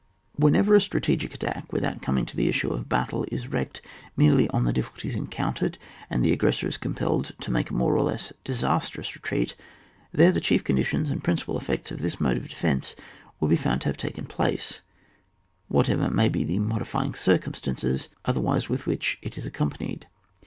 Whenever a strategic attack, without coming to the issue of a battle, is wrecked merely on the difficulties encountered, and the aggressor is compelled to make a more or less disastrous retreat, there the chief conditions and principal effects of this mode of defence will be found to have taken plcu^e, whatever may be the modi fying circumstances otherwise with which it is accompanied.